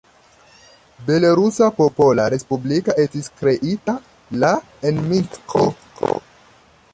Belorusa Popola Respublika estis kreita la en Minsko.